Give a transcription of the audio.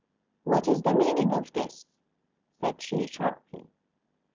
"What is the meaning of this?" said she, sharply.